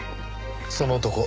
その男